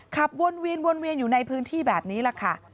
ขับวนเวียนวนเวียนอยู่ในพื้นที่แบบนี้แหละค่ะ